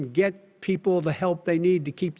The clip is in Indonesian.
dia tidak meminta shi untuk melakukan itu